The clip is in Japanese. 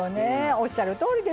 おっしゃるとおりですよ。